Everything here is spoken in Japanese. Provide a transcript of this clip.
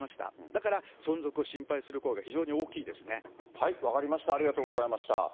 だから存続を心配する声が非常に分かりました、ありがとうございました。